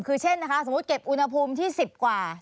คือเช่นนะคะสมมุติเก็บอุณหภูมิที่๑๐กว่า